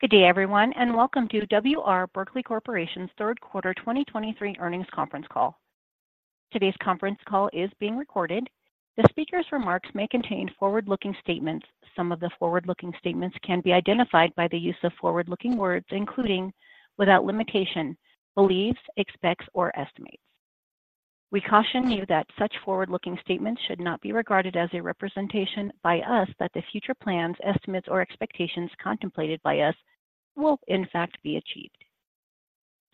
Good day, everyone, and welcome to W. R. Berkley Corporation's Q3 2023 earnings conference call. Today's conference call is being recorded. The speaker's remarks may contain forward-looking statements. Some of the forward-looking statements can be identified by the use of forward-looking words, including, without limitation, believes, expects, or estimates. We caution you that such forward-looking statements should not be regarded as a representation by us that the future plans, estimates, or expectations contemplated by us will in fact be achieved.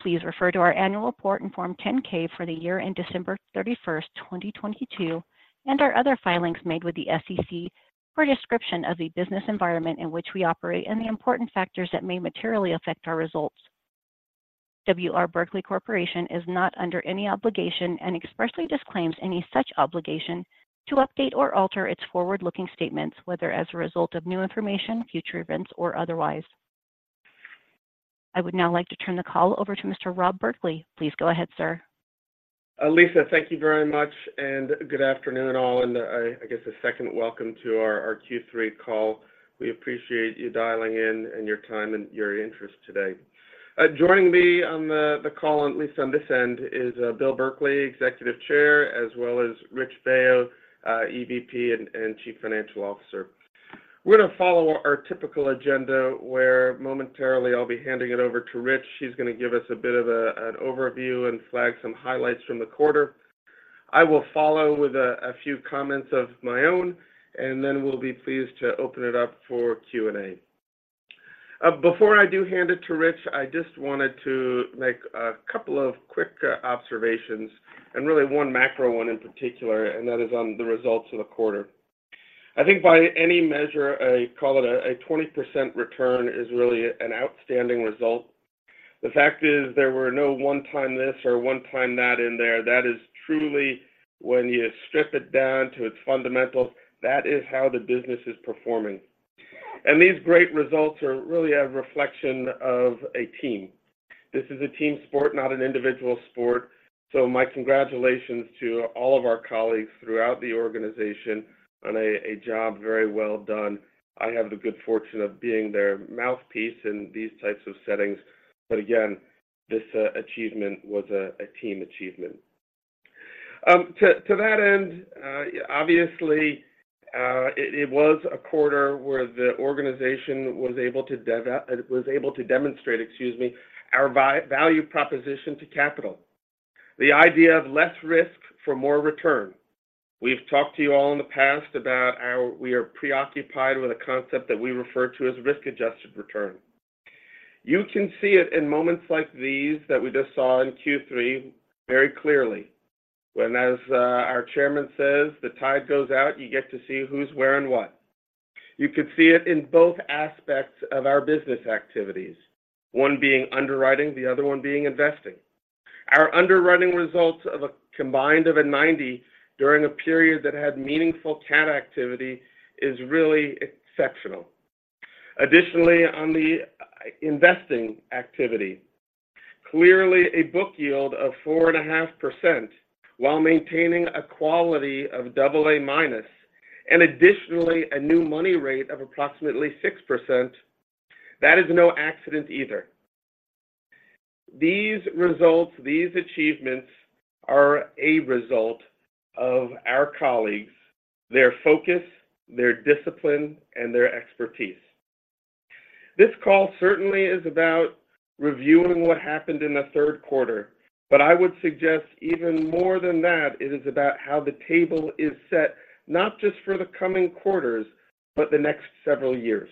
Please refer to our annual report and Form 10-K for the year-end December 31, 2022, and our other filings made with the SEC for a description of the business environment in which we operate and the important factors that may materially affect our results. W. R. Berkley Corporation is not under any obligation and expressly disclaims any such obligation to update or alter its forward-looking statements, whether as a result of new information, future events, or otherwise. I would now like to turn the call over to Mr. Rob Berkley. Please go ahead, sir. Lisa, thank you very much, and good afternoon, all, and I guess a second welcome to our Q3 call. We appreciate you dialing in and your time and your interest today. Joining me on the call, at least on this end, is Bill Berkley, Executive Chair, as well as Rich Baio, EVP and Chief Financial Officer. We're going to follow our typical agenda, where momentarily I'll be handing it over to Rich. He's going to give us a bit of an overview and flag some highlights from the quarter. I will follow with a few comments of my own, and then we'll be pleased to open it up for Q&A. Before I do hand it to Rich, I just wanted to make a couple of quick observations and really one macro one in particular, and that is on the results of the quarter. I think by any measure, call it a 20% return is really an outstanding result. The fact is, there were no one time this or one time that in there. That is truly when you strip it down to its fundamentals, that is how the business is performing. And these great results are really a reflection of a team. This is a team sport, not an individual sport. So my congratulations to all of our colleagues throughout the organization on a job very well done. I have the good fortune of being their mouthpiece in these types of settings, but again, this achievement was a team achievement. To that end, obviously, it was a quarter where the organization was able to demonstrate, excuse me, our value proposition to capital. The idea of less risk for more return. We've talked to you all in the past about how we are preoccupied with a concept that we refer to as risk-adjusted return. You can see it in moments like these that we just saw in Q3 very clearly. When, as our Chairman says, "The tide goes out, you get to see who's where and what." You could see it in both aspects of our business activities, one being underwriting, the other one being investing. Our underwriting results of a combined of a 90 during a period that had meaningful cat activity is really exceptional. Additionally, on the investing activity, clearly a book yield of 4.5% while maintaining a quality of AA- and additionally, a new money rate of approximately 6%, that is no accident either. These results, these achievements, are a result of our colleagues, their focus, their discipline, and their expertise. This call certainly is about reviewing what happened in the Q3, but I would suggest even more than that, it is about how the table is set, not just for the coming quarters, but the next several years.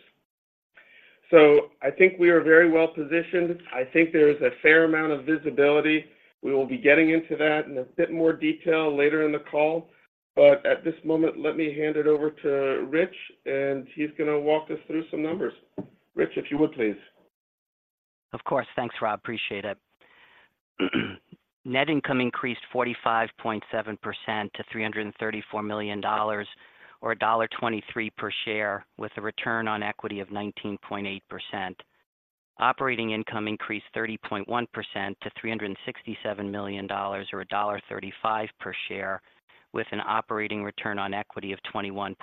So I think we are very well positioned. I think there is a fair amount of visibility. We will be getting into that in a bit more detail later in the call, but at this moment, let me hand it over to Rich, and he's going to walk us through some numbers. Rich, if you would, please. Of course. Thanks, Rob. Appreciate it. Net income increased 45.7% to $334 million, or $1.23 per share, with a return on equity of 19.8%. Operating income increased 30.1% to $367 million or $1.35 per share, with an operating return on equity of 21.7%.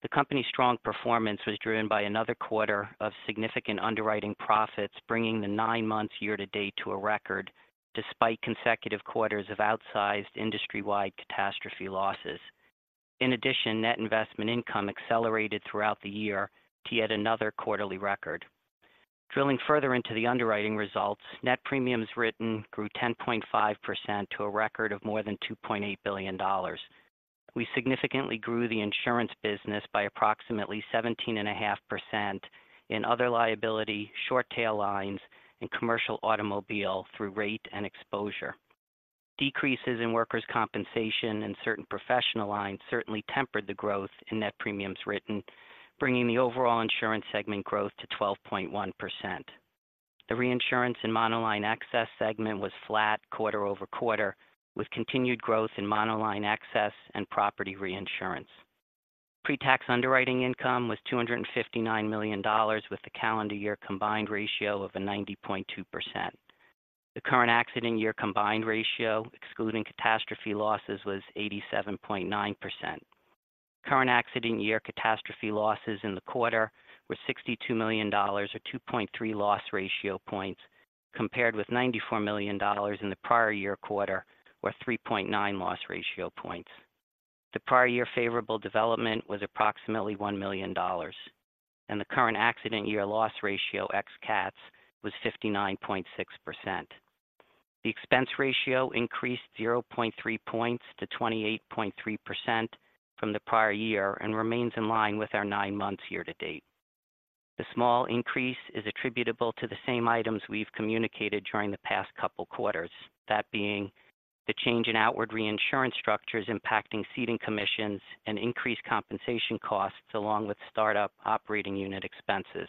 The company's strong performance was driven by another quarter of significant underwriting profits, bringing the nine months year to date to a record despite consecutive quarters of outsized industry-wide catastrophe losses. In addition, net investment income accelerated throughout the year to yet another quarterly record. Drilling further into the underwriting results, net premiums written grew 10.5% to a record of more than $2.8 billion. We significantly grew the insurance business by approximately 17.5% in other liability, short tail lines, and commercial automobile through rate and exposure. Decreases in workers' compensation and certain professional lines certainly tempered the growth in net premiums written, bringing the overall insurance segment growth to 12.1%. The Reinsurance and Monoline Excess segment was flat quarter-over-quarter, with continued growth in Monoline Excess and property reinsurance. Pre-tax underwriting income was $259 million, with a calendar year combined ratio of 90.2%. The current accident year combined ratio, excluding catastrophe losses, was 87.9%. Current accident year catastrophe losses in the quarter were $62 million, or 2.3 loss ratio points, compared with $94 million in the prior year quarter, or 3.9 loss ratio points. The prior year favorable development was approximately $1 million, and the current accident year loss ratio, ex cats, was 59.6%. The expense ratio increased 0.3 points to 28.3% from the prior year and remains in line with our nine months year-to-date. The small increase is attributable to the same items we've communicated during the past couple quarters. That being the change in outward reinsurance structures impacting ceding commissions and increased compensation costs, along with startup operating unit expenses.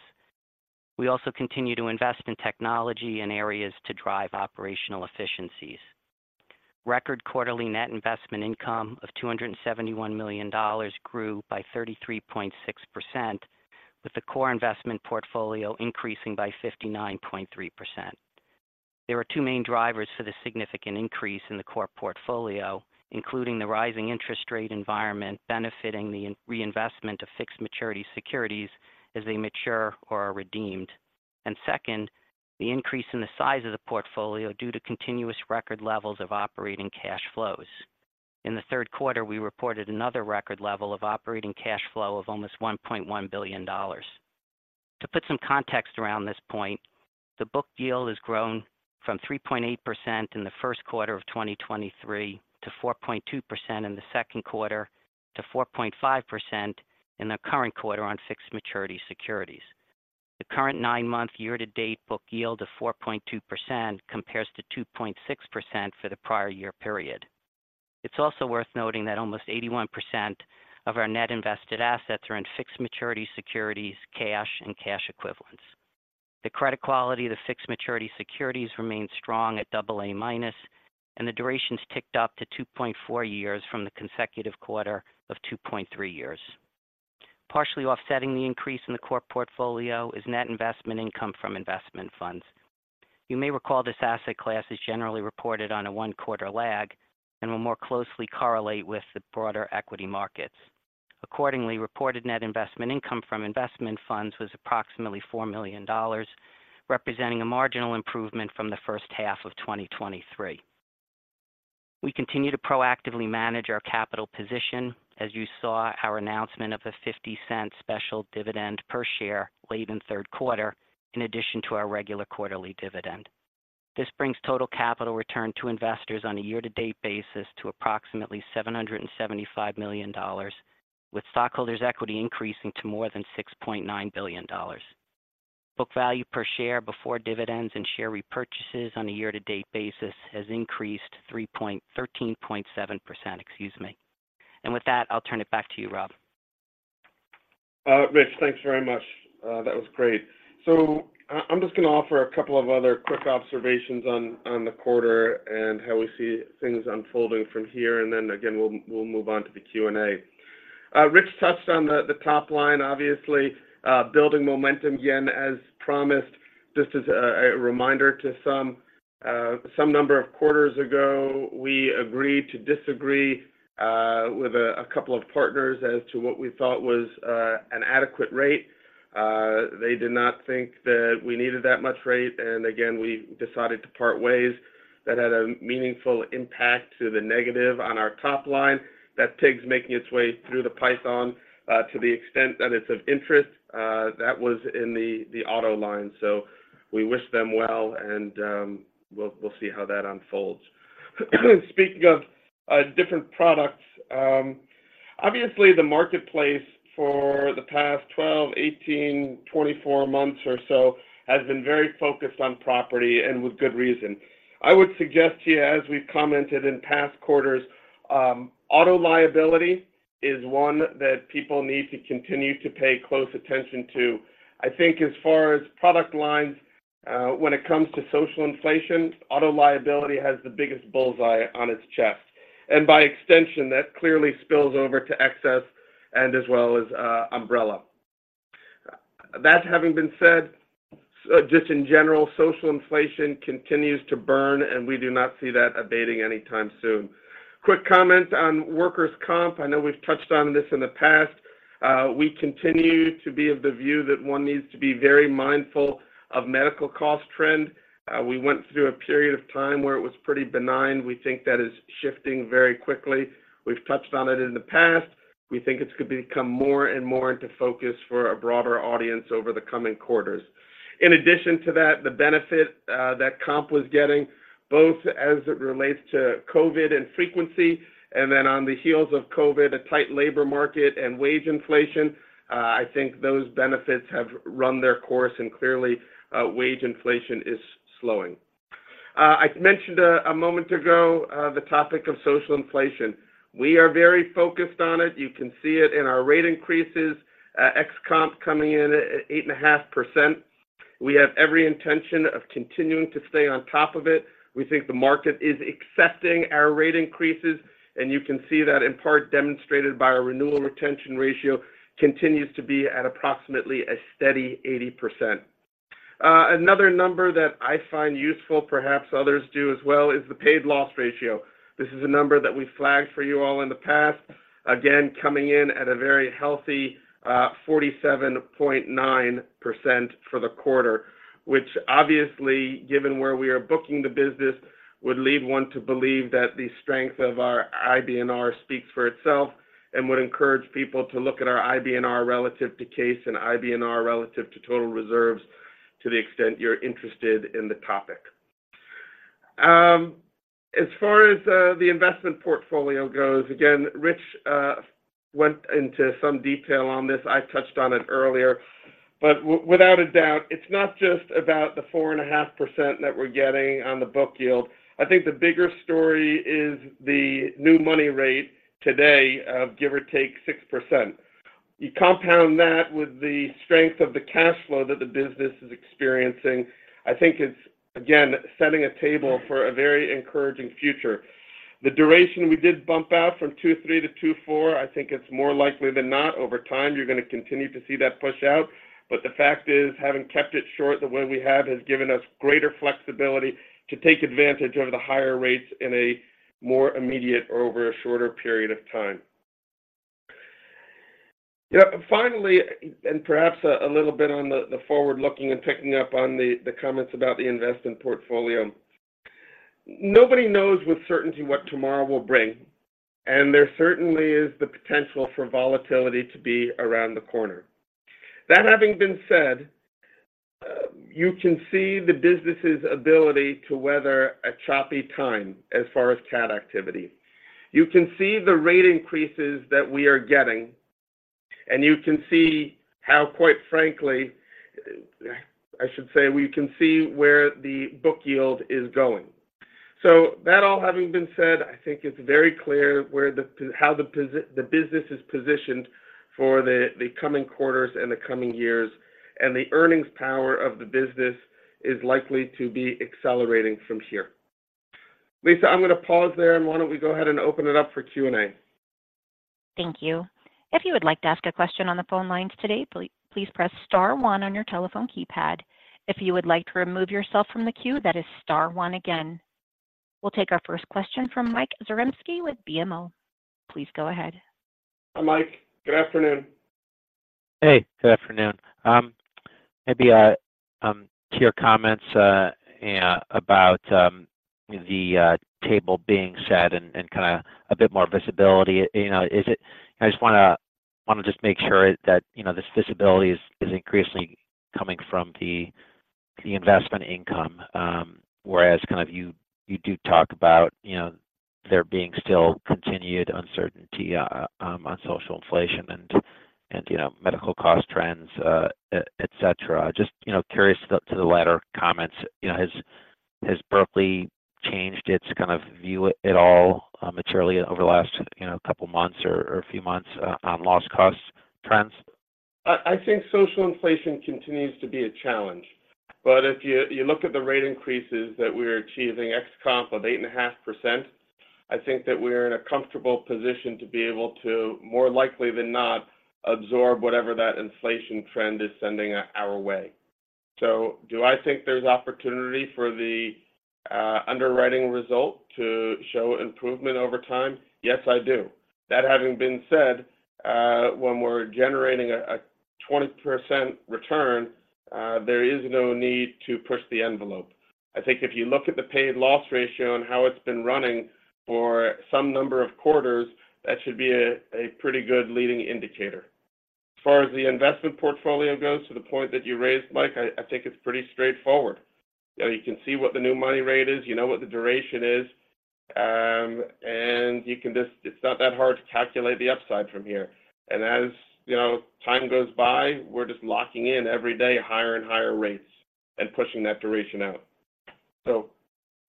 We also continue to invest in technology and areas to drive operational efficiencies. Record quarterly net investment income of $271 million grew by 33.6%, with the core investment portfolio increasing by 59.3%. There are two main drivers for the significant increase in the core portfolio, including the rising interest rate environment benefiting the reinvestment of fixed maturity securities as they mature or are redeemed. Second, the increase in the size of the portfolio due to continuous record levels of operating cash flows. In the Q3, we reported another record level of operating cash flow of almost $1.1 billion. To put some context around this point, the book yield has grown from 3.8% in the Q1 of 2023, to 4.2% in the Q2, to 4.5% in the current quarter on fixed maturity securities. The current nine-month year-to-date book yield of 4.2% compares to 2.6% for the prior year period. It's also worth noting that almost 81% of our net invested assets are in fixed maturity securities, cash, and cash equivalents. The credit quality of the fixed maturity securities remains strong at AA-, and the durations ticked up to 2.4 years from the consecutive quarter of 2.3 years. Partially offsetting the increase in the core portfolio is net investment income from investment funds. You may recall this asset class is generally reported on a one quarter lag and will more closely correlate with the broader equity markets. Accordingly, reported net investment income from investment funds was approximately $4 million, representing a marginal improvement from the first half of 2023. We continue to proactively manage our capital position. As you saw, our announcement of the $0.50 special dividend per share late in Q3, in addition to our regular quarterly dividend. This brings total capital return to investors on a year-to-date basis to approximately $775 million, with stockholders' equity increasing to more than $6.9 billion. Book value per share before dividends and share repurchases on a year-to-date basis has increased 13.7%, excuse me. With that, I'll turn it back to you, Rob. Rich, thanks very much. That was great. So I'm just going to offer a couple of other quick observations on the quarter and how we see things unfolding from here, and then again, we'll move on to the Q&A. Rich touched on the top line, obviously, building momentum again, as promised. Just as a reminder to some, some number of quarters ago, we agreed to disagree with a couple of partners as to what we thought was an adequate rate. They did not think that we needed that much rate, and again, we decided to part ways. That had a meaningful impact to the negative on our top line. That pig's making its way through the python, to the extent that it's of interest, that was in the auto line. So we wish them well, and we'll see how that unfolds. Speaking of different products, obviously, the marketplace for the past 12, 18, 24 months or so has been very focused on property and with good reason. I would suggest to you, as we've commented in past quarters, auto liability is one that people need to continue to pay close attention to. I think as far as product lines, when it comes to social inflation, auto liability has the biggest bullseye on its chest, and by extension, that clearly spills over to excess and as well as umbrella. That having been said, just in general, social inflation continues to burn, and we do not see that abating anytime soon. Quick comment on workers' comp. I know we've touched on this in the past. We continue to be of the view that one needs to be very mindful of medical cost trend. We went through a period of time where it was pretty benign. We think that is shifting very quickly. We've touched on it in the past. We think it's going to become more and more into focus for a broader audience over the coming quarters. In addition to that, the benefit that comp was getting, both as it relates to COVID and frequency, and then on the heels of COVID, a tight labor market and wage inflation, I think those benefits have run their course, and clearly, wage inflation is slowing. I mentioned a moment ago the topic of social inflation. We are very focused on it. You can see it in our rate increases, ex-comp coming in at 8.5%. We have every intention of continuing to stay on top of it. We think the market is accepting our rate increases, and you can see that in part demonstrated by our renewal retention ratio continues to be at approximately a steady 80%. Another number that I find useful, perhaps others do as well, is the paid loss ratio. This is a number that we flagged for you all in the past, again, coming in at a very healthy, 47.9% for the quarter, which obviously, given where we are booking the business, would lead one to believe that the strength of our IBNR speaks for itself and would encourage people to look at our IBNR relative to case and IBNR relative to total reserves, to the extent you're interested in the topic. As far as the investment portfolio goes, again, Rich went into some detail on this. I touched on it earlier, but without a doubt, it's not just about the 4.5% that we're getting on the book yield. I think the bigger story is the new money rate today of give or take 6%. You compound that with the strength of the cash flow that the business is experiencing, I think it's, again, setting a table for a very encouraging future. The duration we did bump out from 2.3 to 2.4, I think it's more likely than not over time you're going to continue to see that push out. But the fact is, having kept it short the way we have, has given us greater flexibility to take advantage of the higher rates in a more immediate or over a shorter period of time. Yeah, finally, and perhaps a little bit on the forward-looking and picking up on the comments about the investment portfolio. Nobody knows with certainty what tomorrow will bring, and there certainly is the potential for volatility to be around the corner. That having been said, you can see the business's ability to weather a choppy time as far as CAT activity. You can see the rate increases that we are getting, and you can see how, quite frankly, I should say, we can see where the book yield is going. So that all having been said, I think it's very clear where the business is positioned for the coming quarters and the coming years, and the earnings power of the business is likely to be accelerating from here. Lisa, I'm going to pause there, and why don't we go ahead and open it up for Q&A? Thank you. If you would like to ask a question on the phone lines today, please press star one on your telephone keypad. If you would like to remove yourself from the queue, that is star one again. We'll take our first question from Mike Zarembski with BMO. Please go ahead. Hi, Mike. Good afternoon. Hey, good afternoon. Maybe, to your comments, yeah, about the table being set and kind of a bit more visibility, you know, is it—I just want to just make sure that, you know, this visibility is increasingly coming from the investment income, whereas kind of you do talk about, you know, there being still continued uncertainty, you know, on social inflation and, you know, medical cost trends, etc. Just, you know, curious to the latter comments, you know, has Berkley changed its kind of view at all, materially over the last, you know, couple of months or a few months, on loss cost trends? I think social inflation continues to be a challenge, but if you look at the rate increases that we are achieving ex-comp of 8.5%, I think that we're in a comfortable position to be able to, more likely than not, absorb whatever that inflation trend is sending our way. So do I think there's opportunity for the underwriting result to show improvement over time? Yes, I do. That having been said, when we're generating a 20% return, there is no need to push the envelope. I think if you look at the paid loss ratio and how it's been running for some number of quarters, that should be a pretty good leading indicator. As far as the investment portfolio goes, to the point that you raised, Mike, I think it's pretty straightforward. You know, you can see what the new money rate is, you know what the duration is, and you can just, it's not that hard to calculate the upside from here. As you know, time goes by, we're just locking in every day, higher and higher rates and pushing that duration out.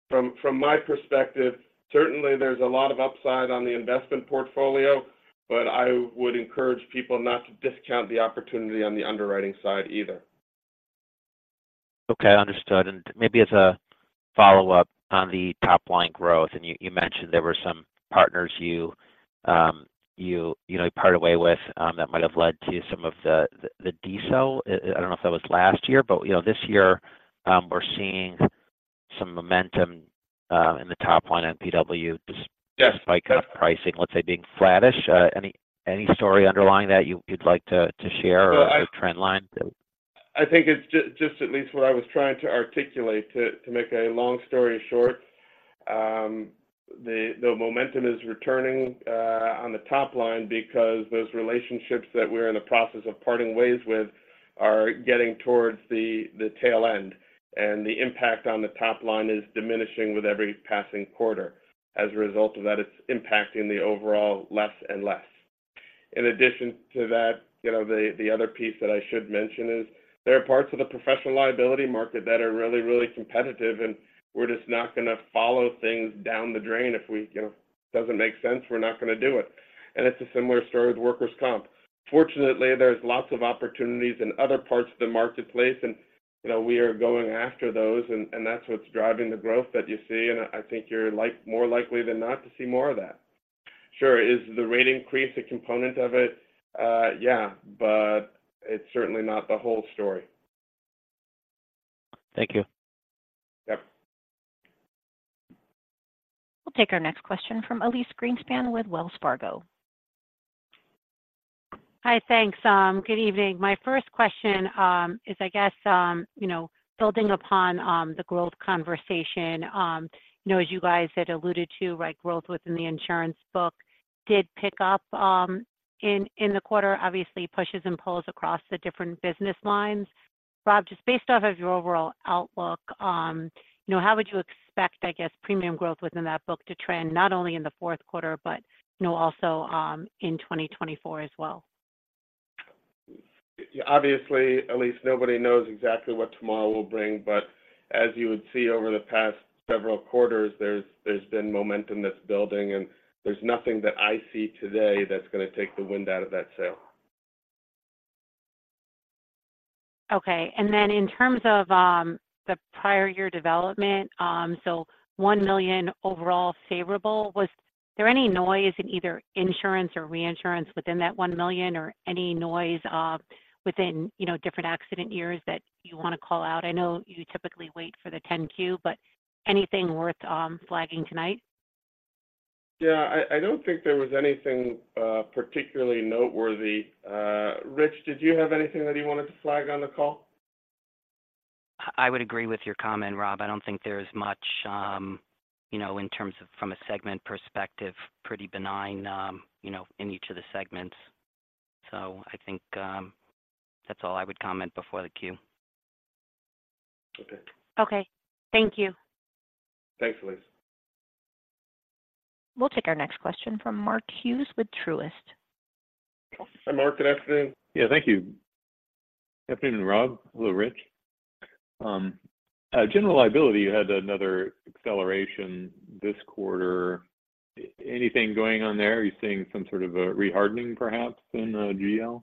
From my perspective, certainly there's a lot of upside on the investment portfolio, but I would encourage people not to discount the opportunity on the underwriting side either. Okay, understood. And maybe as a follow-up on the top-line growth, you mentioned there were some partners you know you parted ways with that might have led to some of the decline. I don't know if that was last year, but you know, this year we're seeing some momentum in the top line at PW, just by kind of pricing, let's say, being flattish. Any story underlying that you'd like to share or trend line? I think it's just at least what I was trying to articulate, to make a long story short, the momentum is returning on the top line because those relationships that we're in the process of parting ways with are getting towards the tail end, and the impact on the top line is diminishing with every passing quarter. As a result of that, it's impacting the overall less and less. In addition to that, you know, the other piece that I should mention is there are parts of the professional liability market that are really, really competitive, and we're just not going to follow things down the drain. If we, you know, it doesn't make sense, we're not going to do it. And it's a similar story with workers' comp. Fortunately, there's lots of opportunities in other parts of the marketplace, and, you know, we are going after those, and, and that's what's driving the growth that you see. And I think you're like, more likely than not to see more of that. Sure. Is the rate increase a component of it? Yeah, but it's certainly not the whole story. Thank you. We'll take our next question from Elyse Greenspan with Wells Fargo. Hi, thanks. Good evening. My first question is, I guess, you know, building upon the growth conversation. You know, as you guys had alluded to, like, growth within the insurance book did pick up in the quarter. Obviously, pushes and pulls across the different business lines. Rob, just based off of your overall outlook, you know, how would you expect, I guess, premium growth within that book to trend, not only in the Q4, but, you know, also in 2024 as well? Yeah, obviously, Elyse, nobody knows exactly what tomorrow will bring, but as you would see over the past several quarters, there's been momentum that's building, and there's nothing that I see today that's going to take the wind out of that sail. Okay. And then in terms of the prior year development, so $1 million overall favorable, was there any noise in either insurance or reinsurance within that $1 million or any noise within, you know, different accident years that you want to call out? I know you typically wait for the 10-Q, but anything worth flagging tonight? Yeah, I don't think there was anything particularly noteworthy. Rich, did you have anything that you wanted to flag on the call? I would agree with your comment, Rob. I don't think there's much, you know, in terms of from a segment perspective, pretty benign, you know, in each of the segments. So I think, that's all I would comment before the Q. Okay. Okay. Thank you. Thanks, Elyse. We'll take our next question from Mark Hughes with Truist. Hi, Mark. Good afternoon. Yeah, thank you. Good afternoon, Rob. Hello, Rich. General liability, you had another acceleration this quarter. Anything going on there? Are you seeing some sort of a rehardening perhaps in GL?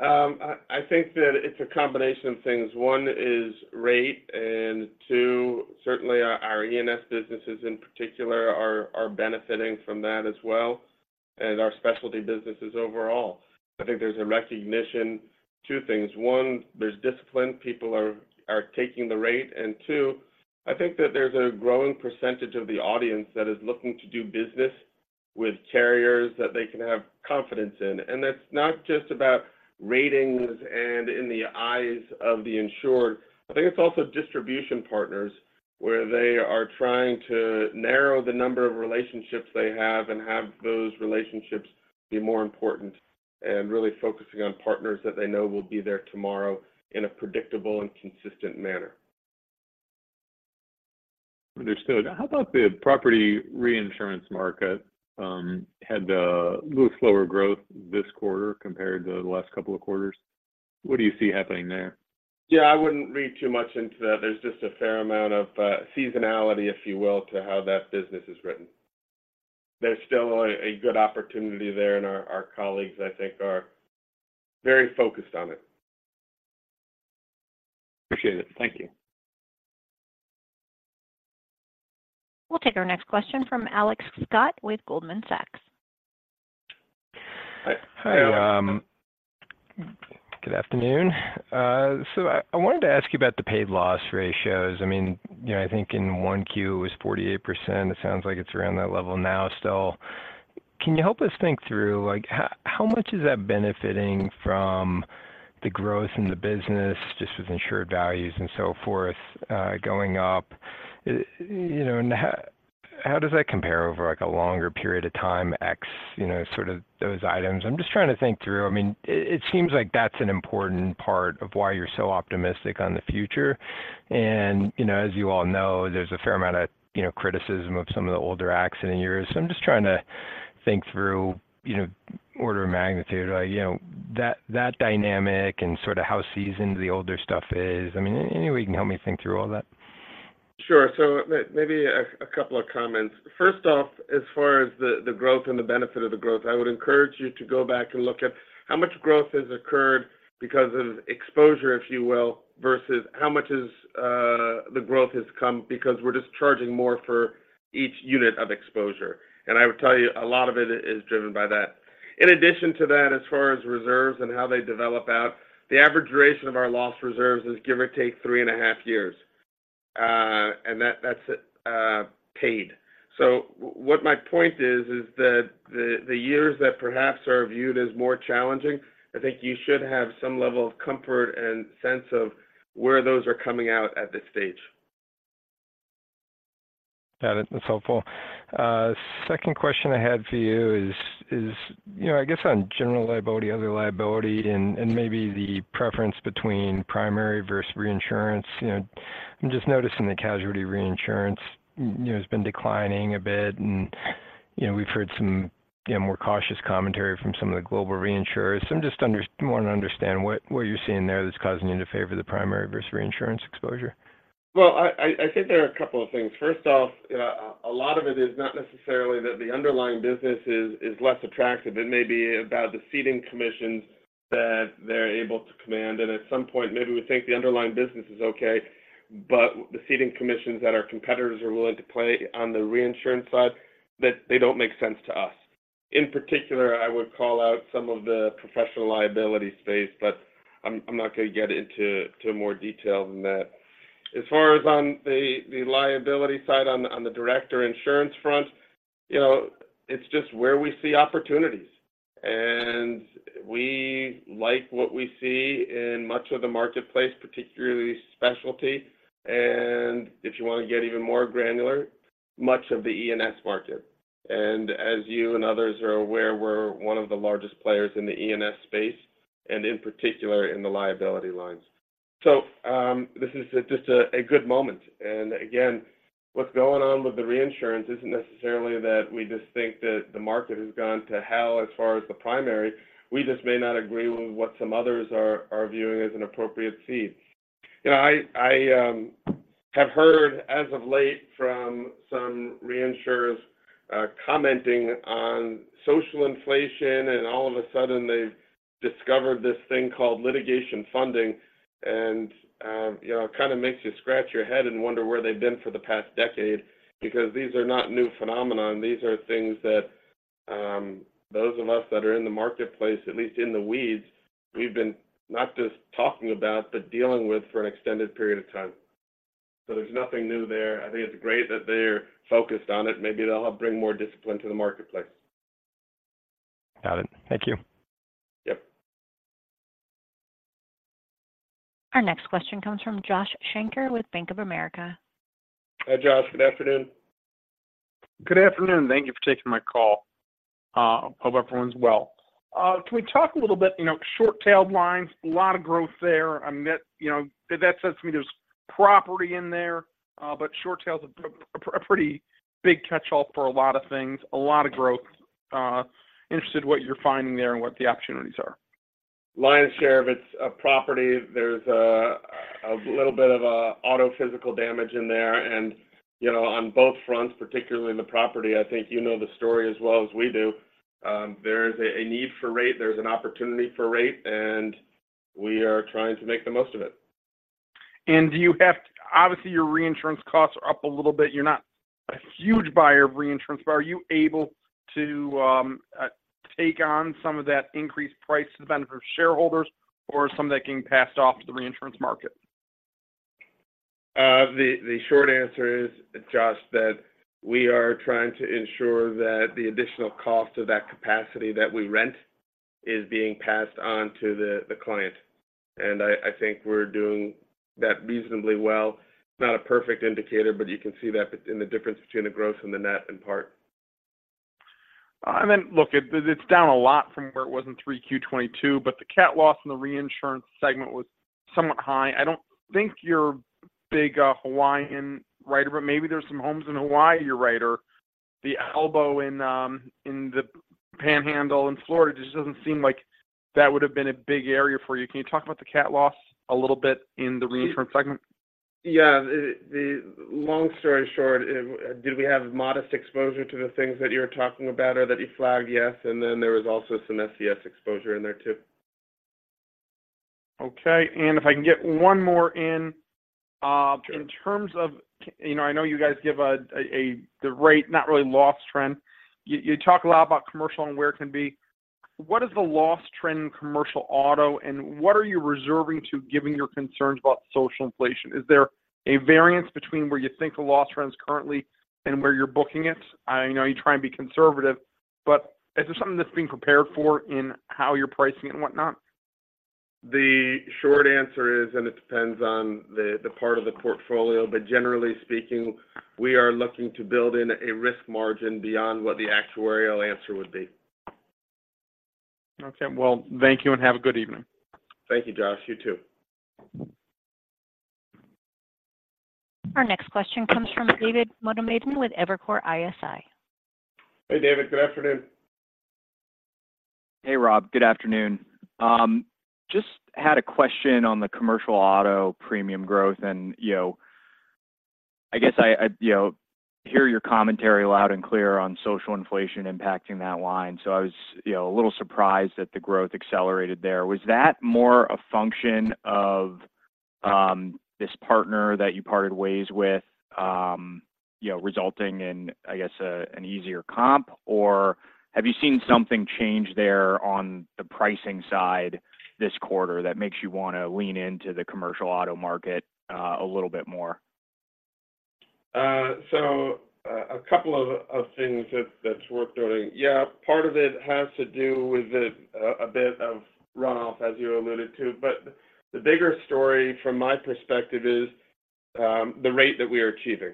I think that it's a combination of things. One is rate, and two, certainly our E&S businesses in particular are benefiting from that as well as our specialty businesses overall. I think there's a recognition, two things: One, there's discipline. People are taking the rate. And two, I think that there's a growing percentage of the audience that is looking to do business with carriers that they can have confidence in. And that's not just about ratings and in the eyes of the insured, I think it's also distribution partners, where they are trying to narrow the number of relationships they have and have those relationships be more important and really focusing on partners that they know will be there tomorrow in a predictable and consistent manner. Understood. How about the property reinsurance market? Had a little slower growth this quarter compared to the last couple of quarters. What do you see happening there? Yeah, I wouldn't read too much into that. There's just a fair amount of seasonality, if you will, to how that business is written. There's still a good opportunity there, and our colleagues, I think, are very focused on it. Appreciate it. Thank you. We'll take our next question from Alex Scott with Goldman Sachs. Hi. Good afternoon. So I wanted to ask you about the paid loss ratios. I mean, you know, I think in 1Q, it was 48%. It sounds like it's around that level now still. Can you help us think through, like, how much is that benefiting from the growth in the business, just with insured values and so forth, going up? You know, and how does that compare over, like, a longer period of time, X, you know, sort of those items? I'm just trying to think through. I mean, it seems like that's an important part of why you're so optimistic on the future. You know, as you all know, there's a fair amount of, you know, criticism of some of the older accident years. So I'm just trying to think through, you know, order of magnitude, like, you know, that, that dynamic and sort of how seasoned the older stuff is. I mean, any way you can help me think through all that? Sure. So maybe a couple of comments. First off, as far as the growth and the benefit of the growth, I would encourage you to go back and look at how much growth has occurred because of exposure, if you will, versus how much is, the growth has come because we're just charging more for each unit of exposure. And I would tell you, a lot of it is driven by that. In addition to that, as far as reserves and how they develop out, the average duration of our loss reserves is give or take three and a half years, and that's paid. So what my point is, is that the years that perhaps are viewed as more challenging, I think you should have some level of comfort and sense of where those are coming out at this stage. Got it. That's helpful. Second question I had for you is, you know, I guess on general liability, other liability, and maybe the preference between primary versus reinsurance. You know, I'm just noticing the casualty reinsurance, you know, has been declining a bit, and, you know, we've heard some, you know, more cautious commentary from some of the global reinsurers. So I'm just wanting to understand what you're seeing there that's causing you to favor the primary versus reinsurance exposure. Well, I think there are a couple of things. First off, a lot of it is not necessarily that the underlying business is less attractive. It may be about the ceding commissions that they're able to command, and at some point, maybe we think the underlying business is okay, but the ceding commissions that our competitors are willing to play on the reinsurance side, they don't make sense to us. In particular, I would call out some of the professional liability space, but I'm not going to get into more detail than that. As far as on the liability side, on the director insurance front, you know, it's just where we see opportunities, and we like what we see in much of the marketplace, particularly specialty. If you want to get even more granular, much of the E&S market. And as you and others are aware, we're one of the largest players in the E&S space, and in particular, in the liability lines. So, this is just a good moment. And again, what's going on with the reinsurance isn't necessarily that we just think that the market has gone to hell as far as the primary. We just may not agree with what some others are viewing as an appropriate cede. You know, I have heard as of late from some reinsurers commenting on social inflation, and all of a sudden they've discovered this thing called litigation funding, and, you know, it kind of makes you scratch your head and wonder where they've been for the past decade, because these are not new phenomenon. These are things that, those of us that are in the marketplace, at least in the weeds, we've been not just talking about, but dealing with for an extended period of time. There's nothing new there. I think it's great that they're focused on it. Maybe they'll help bring more discipline to the marketplace. Got it. Thank you. Our next question comes from Josh Shanker with Bank of America. Hi, Josh. Good afternoon. Good afternoon. Thank you for taking my call. I hope everyone's well. Can we talk a little bit, you know, short-tailed lines, a lot of growth there. I mean, you know, that says to me there's property in there, but short tail is a pretty big catch-all for a lot of things, a lot of growth. Interested in what you're finding there and what the opportunities are. Lion's share of its property. There's a little bit of auto physical damage in there. You know, on both fronts, particularly in the property, I think you know the story as well as we do. There is a need for rate, there's an opportunity for rate, and we are trying to make the most of it. Obviously, your reinsurance costs are up a little bit. You're not a huge buyer of reinsurance, but are you able to take on some of that increased price to the benefit of shareholders, or is some of that getting passed off to the reinsurance market? The short answer is, Josh, that we are trying to ensure that the additional cost of that capacity that we rent is being passed on to the client, and I think we're doing that reasonably well. Not a perfect indicator, but you can see that in the difference between the gross and the net in part. I mean, look, it, it's down a lot from where it was in Q3 2022, but the cat loss in the reinsurance segment was somewhat high. I don't think you're a big Hawaiian writer, but maybe there's some homes in Hawaii you write or the El Niño in the Panhandle in Florida, just doesn't seem like that would have been a big area for you. Can you talk about the cat loss a little bit in the reinsurance segment? Yeah. The long story short, did we have modest exposure to the things that you're talking about or that you flagged? Yes. And then there was also some SCS exposure in there, too. Okay. If I can get one more in. Sure. In terms of, you know, I know you guys give the rate, not really loss trend. You talk a lot about commercial and where it can be. What is the loss trend in commercial auto, and what are you reserving to giving your concerns about social inflation? Is there a variance between where you think the loss trend is currently and where you're booking it? I know you try and be conservative, but is there something that's being prepared for in how you're pricing it and what not? The short answer is, and it depends on the part of the portfolio, but generally speaking, we are looking to build in a risk margin beyond what the actuarial answer would be. Okay. Well, thank you and have a good evening. Thank you, Josh. You too. Our next question comes from David Motamedi with Evercore ISI. Hey, David. Good afternoon. Hey, Rob. Good afternoon. Just had a question on the commercial auto premium growth, and, you know, I guess I hear your commentary loud and clear on social inflation impacting that line. So I was, you know, a little surprised that the growth accelerated there. Was that more a function of, this partner that you parted ways with, you know, resulting in, I guess, a, an easier comp? Or have you seen something change there on the pricing side this quarter that makes you want to lean into the commercial auto market, a little bit more? So, a couple of things that's worth noting. Yeah, part of it has to do with a bit of runoff, as you alluded to, but the bigger story, from my perspective, is the rate that we are achieving.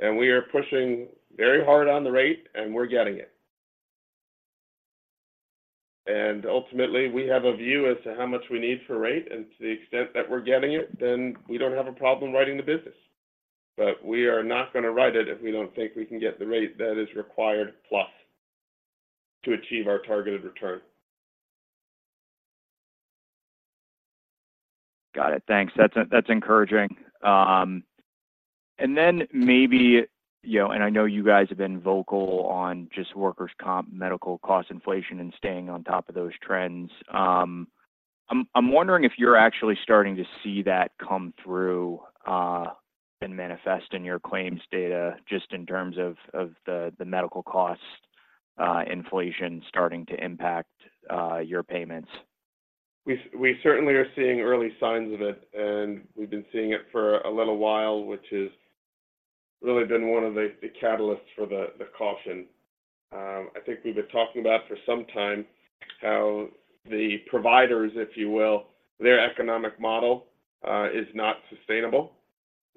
And we are pushing very hard on the rate, and we're getting it. And ultimately, we have a view as to how much we need for rate, and to the extent that we're getting it, then we don't have a problem writing the business. But we are not going to write it if we don't think we can get the rate that is required plus to achieve our targeted return. Got it. Thanks. That's, that's encouraging. And then maybe, you know, and I know you guys have been vocal on just workers' comp, medical cost inflation, and staying on top of those trends. I'm wondering if you're actually starting to see that come through, and manifest in your claims data, just in terms of, of the, the medical cost, inflation starting to impact, your payments. We certainly are seeing early signs of it, and we've been seeing it for a little while, which has really been one of the, the catalysts for the, the caution. I think we've been talking about for some time how the providers, if you will, their economic model is not sustainable.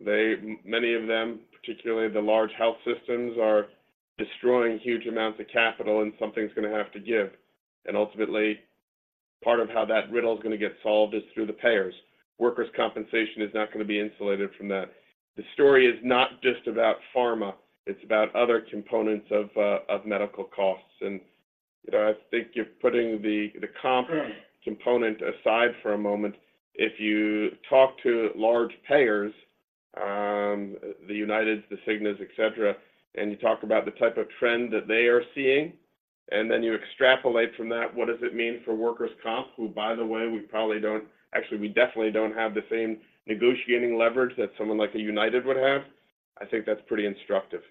They, many of them, particularly the large health systems, are destroying huge amounts of capital, and something's going to have to give. And ultimately, part of how that riddle is going to get solved is through the payers. Workers' compensation is not going to be insulated from that. The story is not just about pharma, it's about other components of medical costs. And, you know, I think you're putting the comp component aside for a moment. If you talk to large payers, the United, the Cigna, etc, and you talk about the type of trend that they are seeing, and then you extrapolate from that, what does it mean for workers' comp? Who, by the way, actually we definitely don't have the same negotiating leverage that someone like a United would have. I think that's pretty instructive.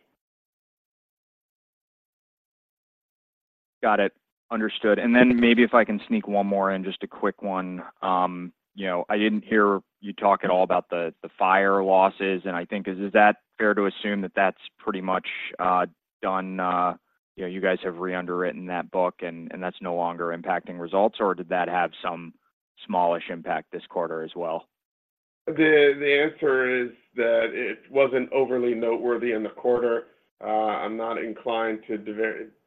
Got it. Understood. And then maybe if I can sneak one more in, just a quick one. You know, I didn't hear you talk at all about the fire losses, and I think, is that fair to assume that that's pretty much done? You know, you guys have reunderwritten that book, and that's no longer impacting results, or did that have some smallish impact this quarter as well? The answer is that it wasn't overly noteworthy in the quarter. I'm not inclined to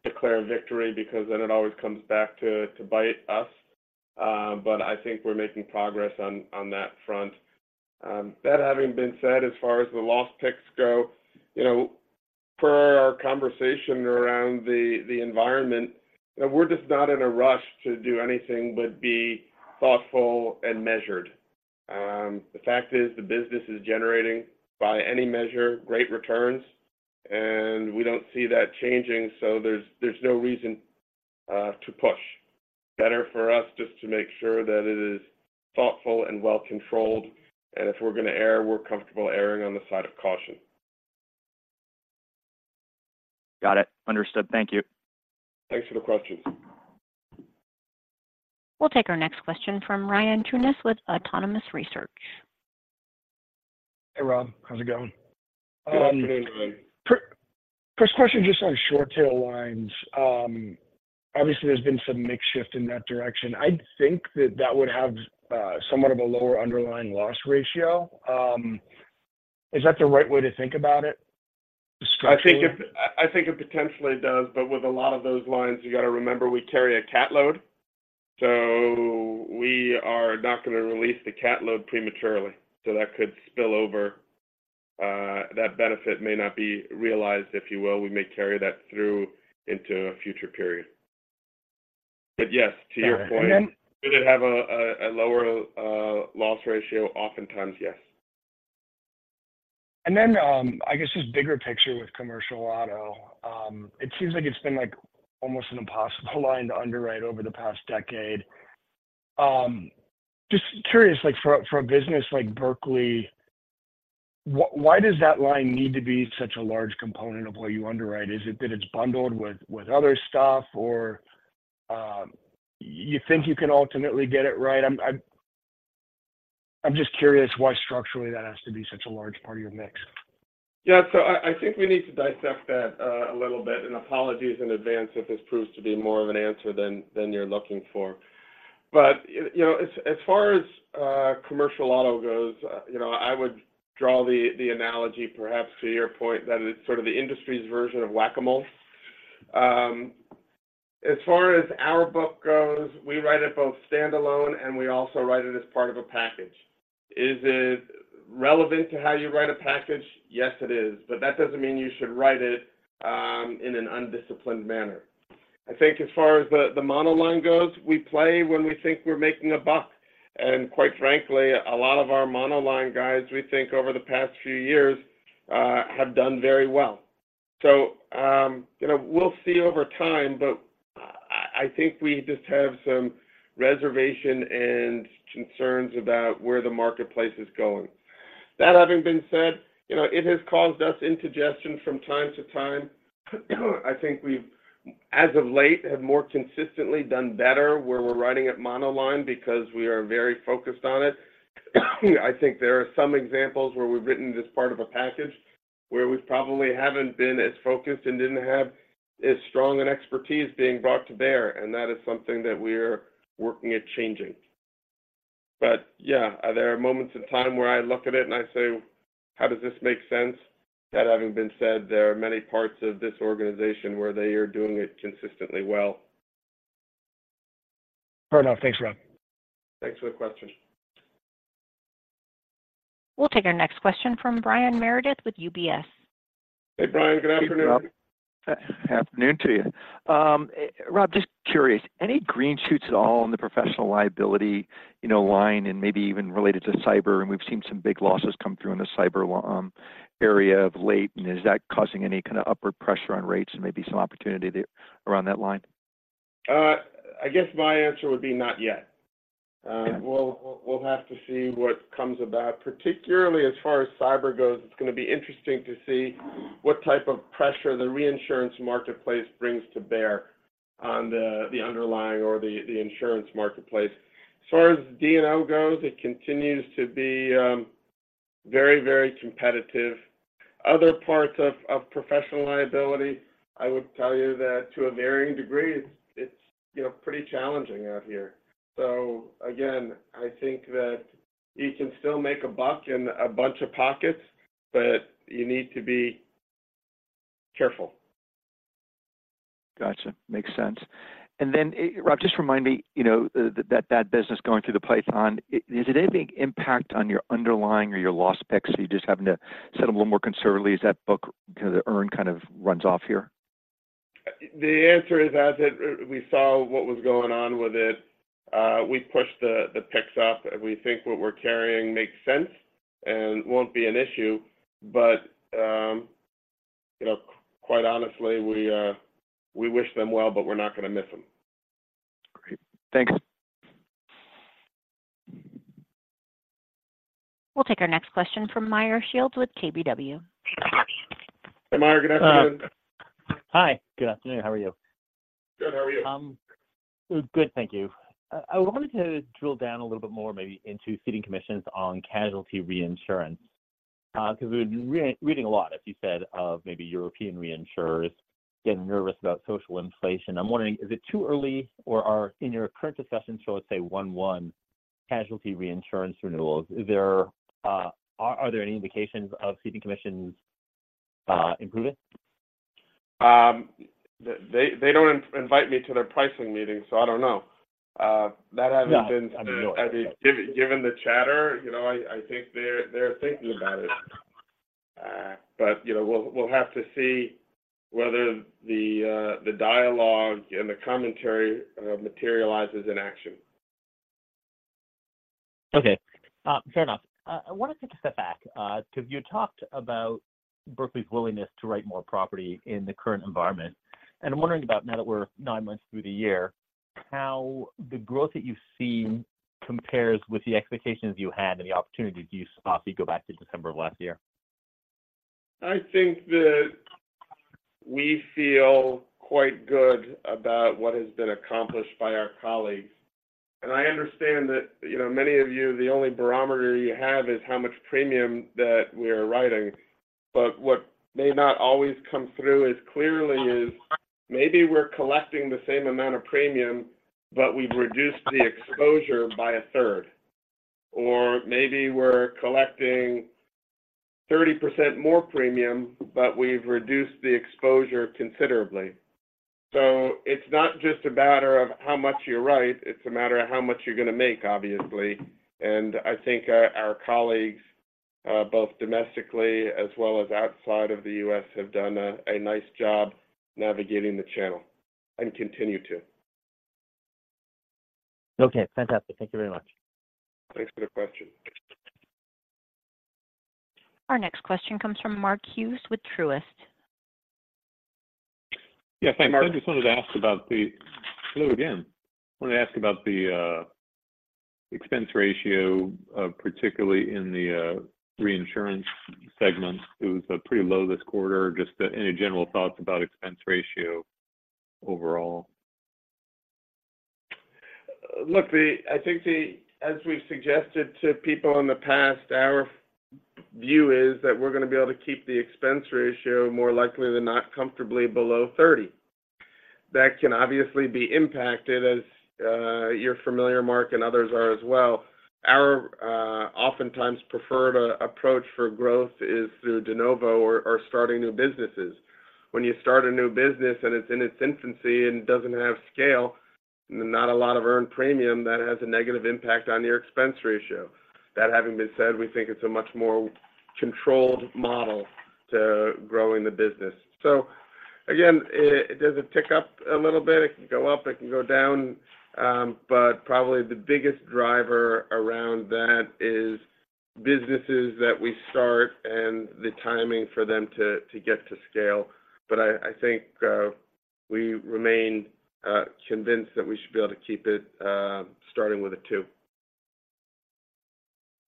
declare victory because then it always comes back to bite us. But I think we're making progress on that front. That having been said, as far as the loss picks go, you know, per our conversation around the environment, we're just not in a rush to do anything but be thoughtful and measured. The fact is the business is generating, by any measure, great returns, and we don't see that changing, so there's no reason to push. Better for us just to make sure that it is thoughtful and well controlled, and if we're going to err, we're comfortable erring on the side of caution. Got it. Understood. Thank you. Thanks for the question. We'll take our next question from Ryan Tunis with Autonomous Research. Hey, Rob. How's it going? Good afternoon, Ryan. First question, just on short tail lines. Obviously, there's been some mix shift in that direction. I'd think that that would have somewhat of a lower underlying loss ratio. Is that the right way to think about it, structurally? I think it, I think it potentially does, but with a lot of those lines, you got to remember, we carry a cat load, so we are not going to release the cat load prematurely. So that could spill over. That benefit may not be realized, if you will. We may carry that through into a future period. But yes, to your point did it have a lower loss ratio? Oftentimes, yes. And then, I guess just bigger picture with commercial auto. It seems like it's been, like, almost an impossible line to underwrite over the past decade. Just curious, like, for a business like Berkley, why does that line need to be such a large component of what you underwrite? Is it that it's bundled with other stuff, or you think you can ultimately get it right? I'm just curious why structurally, that has to be such a large part of your mix. Yeah. So I think we need to dissect that a little bit, and apologies in advance if this proves to be more of an answer than you're looking for. But you know, as far as commercial auto goes, you know, I would draw the analogy, perhaps to your point, that it's sort of the industry's version of whack-a-mole. As far as our book goes, we write it both standalone, and we also write it as part of a package. Is it relevant to how you write a package? Yes, it is, but that doesn't mean you should write it in an undisciplined manner. I think as far as the monoline goes, we play when we think we're making a buck, and quite frankly, a lot of our monoline guys, we think over the past few years have done very well. So, you know, we'll see over time, but I think we just have some reservation and concerns about where the marketplace is going. That having been said, you know, it has caused us indigestion from time to time. I think we've, as of late, have more consistently done better where we're writing at monoline because we are very focused on it. I think there are some examples where we've written this part of a package, where we probably haven't been as focused and didn't have as strong an expertise being brought to bear, and that is something that we're working at changing. But yeah, there are moments in time where I look at it and I say, "How does this make sense?" That having been said, there are many parts of this organization where they are doing it consistently well. Fair enough. Thanks, Rob. Thanks for the question. We'll take our next question from Brian Meredith with UBS. Hey, Brian, good afternoon. Hey, afternoon to you. Rob, just curious, any green shoots at all in the professional liability, you know, line and maybe even related to cyber? And we've seen some big losses come through in the cyber area of late, and is that causing any kind of upward pressure on rates and maybe some opportunity there around that line? I guess my answer would be not yet. We'll have to see what comes about, particularly as far as cyber goes. It's gonna be interesting to see what type of pressure the reinsurance marketplace brings to bear on the underlying or the insurance marketplace. As far as D&O goes, it continues to be very, very competitive. Other parts of professional liability, I would tell you that to a varying degree, it's you know, pretty challenging out here. So again, I think that you can still make a buck in a bunch of pockets, but you need to be careful. Got you. Makes sense. And then, Rob, just remind me, you know, that bad business going through the Python, is it any big impact on your underlying or your loss picks, so you're just having to set them a little more conservatively? Is that book kind of the earn kind of runs off here? The answer is as it, we saw what was going on with it, we pushed the picks up, and we think what we're carrying makes sense and won't be an issue. You know, quite honestly, we wish them well, but we're not gonna miss them. Great. Thanks. We'll take our next question from Meyer Shields with KBW. Hey, Meyer, good afternoon. Hi, good afternoon. How are you? Good. How are you? Good, thank you. I wanted to drill down a little bit more maybe into ceding commissions on casualty reinsurance, because we've been re-reading a lot, as you said, of maybe European reinsurers getting nervous about social inflation. I'm wondering, is it too early, or are in your current discussions, shall let's say, one-one casualty reinsurance renewals, is there any indications of ceding commissions improving? They, they don't invite me to their pricing meetings, so I don't know. That having been- I mean, given the chatter, you know, I, I think they're, they're thinking about it. You know, we'll, we'll have to see whether the dialogue and the commentary materializes in action. Okay, fair enough. I wanted to take a step back, because you talked about Berkley's willingness to write more property in the current environment, and I'm wondering about now that we're nine months through the year, how the growth that you've seen compares with the expectations you had and the opportunities you spot if you go back to December of last year? I think that we feel quite good about what has been accomplished by our colleagues. And I understand that, you know, many of you, the only barometer you have is how much premium that we're writing. But what may not always come through as clearly is maybe we're collecting the same amount of premium, but we've reduced the exposure by a third, or maybe we're collecting 30% more premium, but we've reduced the exposure considerably. So it's not just a matter of how much you write, it's a matter of how much you're gonna make, obviously. And I think our colleagues both domestically as well as outside of the U.S. have done a nice job navigating the channel and continue to. Okay, fantastic. Thank you very much. Thanks for the question. Our next question comes from Mark Hughes with Truist. Yes, thanks. Hello again. I wanted to ask about the expense ratio, particularly in the reinsurance segment. It was pretty low this quarter. Just any general thoughts about expense ratio overall? Look, I think the, as we've suggested to people in the past, our view is that we're gonna be able to keep the expense ratio, more likely than not, comfortably below 30%. That can obviously be impacted, as you're familiar, Mark, and others are as well. Our oftentimes preferred approach for growth is through de novo or starting new businesses. When you start a new business and it's in its infancy and doesn't have scale, not a lot of earned premium, that has a negative impact on your expense ratio. That having been said, we think it's a much more controlled model to growing the business. So again, it does tick up a little bit. It can go up, it can go down, but probably the biggest driver around that is businesses that we start and the timing for them to get to scale. But I think we remain convinced that we should be able to keep it starting with a two.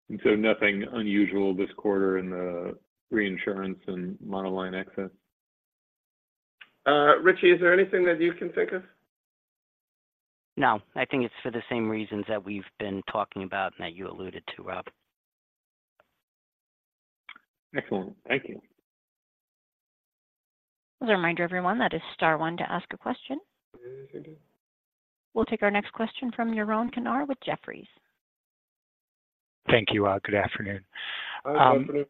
Nothing unusual this quarter in the Reinsurance and Monoline excess? Richie, is there anything that you can think of? No, I think it's for the same reasons that we've been talking about and that you alluded to, Rob. Excellent. Thank you. Just a reminder, everyone, that is star one to ask a question. We'll take our next question from Yaron Kinar with Jefferies. Thank you, Rob. Good afternoon. Hi, good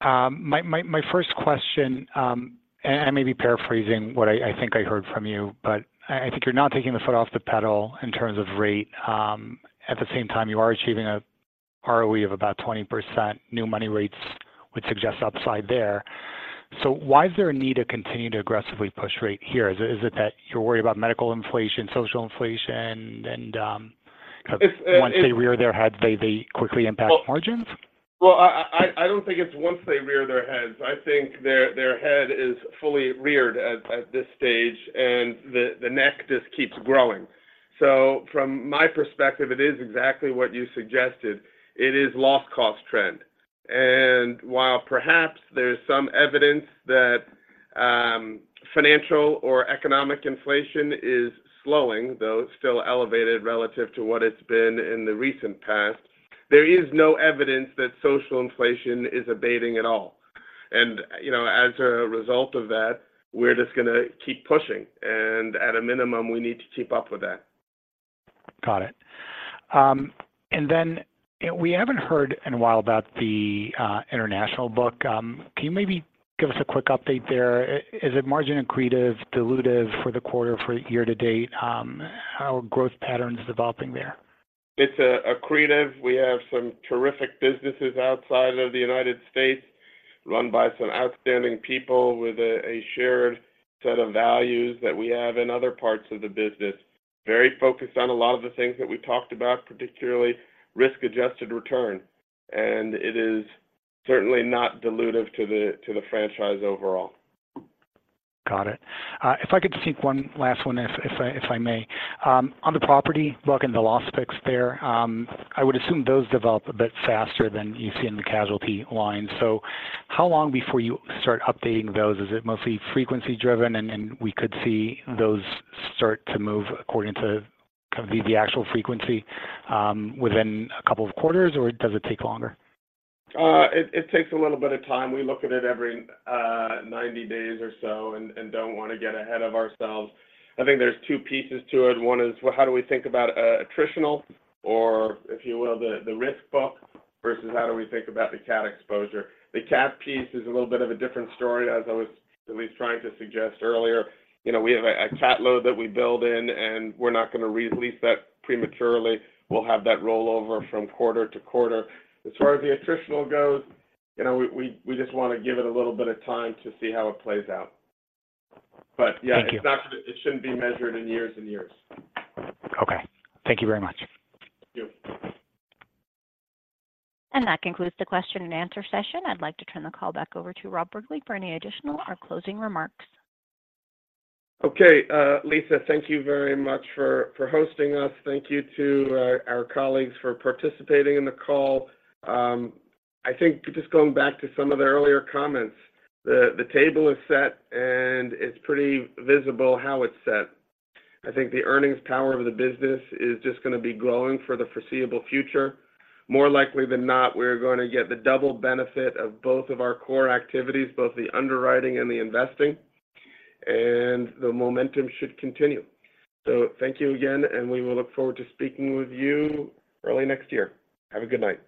afternoon. My first question, and I may be paraphrasing what I think I heard from you, but I think you're not taking the foot off the pedal in terms of rate. At the same time, you are achieving a ROE of about 20%. New money rates would suggest upside there. So why is there a need to continue to aggressively push rate here? Is it that you're worried about medical inflation, social inflation, and kind of- Once they rear their heads, they, they quickly impact margins? Well, I don't think it's once they rear their heads. I think their head is fully reared at this stage, and the neck just keeps growing. So from my perspective, it is exactly what you suggested. It is loss cost trend, and while perhaps there's some evidence that financial or economic inflation is slowing, though still elevated relative to what it's been in the recent past, there is no evidence that social inflation is abating at all. And, you know, as a result of that, we're just gonna keep pushing, and at a minimum, we need to keep up with that. Got it. We haven't heard in a while about the international book. Can you maybe give us a quick update there? Is it margin accretive, dilutive for the quarter, for year to date? How are growth patterns developing there? It's accretive. We have some terrific businesses outside of the United States, run by some outstanding people with a shared set of values that we have in other parts of the business. Very focused on a lot of the things that we talked about, particularly risk-adjusted return. It is certainly not dilutive to the franchise overall. Got it. If I could just take one last one, if I may. On the property book and the loss fix there, I would assume those develop a bit faster than you see in the casualty line. So how long before you start updating those? Is it mostly frequency driven, and we could see those start to move according to kind of the actual frequency, within a couple of quarters, or does it take longer? It takes a little bit of time. We look at it every 90 days or so and don't want to get ahead of ourselves. I think there's two pieces to it. One is, well, how do we think about attritional or, if you will, the risk book, versus how do we think about the cat exposure? The cat piece is a little bit of a different story, as I was at least trying to suggest earlier. You know, we have a cat load that we build in, and we're not gonna release that prematurely. We'll have that roll over from quarter to quarter. As far as the attritional goes, you know, we just want to give it a little bit of time to see how it plays out. But yeah-it's not. It shouldn't be measured in years and years. Okay. Thank you very much. Thank you. That concludes the question and answer session. I'd like to turn the call back over to Rob Berkley for any additional or closing remarks. Okay. Lisa, thank you very much for hosting us. Thank you to our colleagues for participating in the call. I think just going back to some of the earlier comments, the table is set, and it's pretty visible how it's set. I think the earnings power of the business is just gonna be growing for the foreseeable future. More likely than not, we're going to get the double benefit of both of our core activities, both the underwriting and the investing, and the momentum should continue. So thank you again, and we will look forward to speaking with you early next year. Have a good night.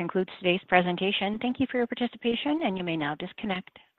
Concludes today's presentation. Thank you for your participation, and you may now disconnect.